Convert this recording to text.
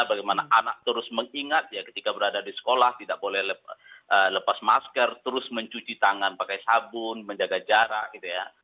bagaimana anak terus mengingat ya ketika berada di sekolah tidak boleh lepas masker terus mencuci tangan pakai sabun menjaga jarak gitu ya